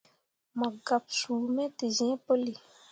Mo gaɓsuu me te zĩĩ puli.